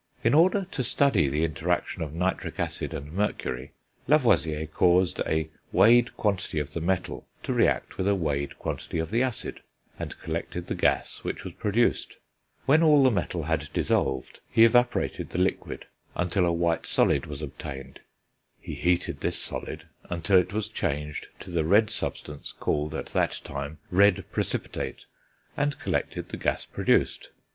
In order to study the interaction of nitric acid and mercury, Lavoisier caused a weighed quantity of the metal to react with a weighed quantity of the acid, and collected the gas which was produced; when all the metal had dissolved, he evaporated the liquid until a white solid was obtained; he heated this solid until it was changed to the red substance called, at that time, red precipitate, and collected the gas produced.